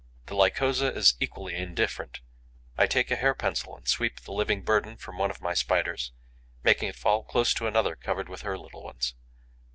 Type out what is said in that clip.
The Lycosa is equally indifferent. I take a hair pencil and sweep the living burden from one of my Spiders, making it fall close to another covered with her little ones.